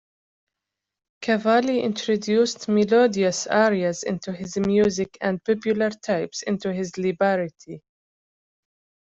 Cavalli introduced melodious arias into his music and popular types into his libretti.